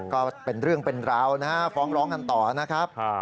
ก็เป็นเรื่องเป็นราวนะฮะฟ้องร้องกันต่อนะครับ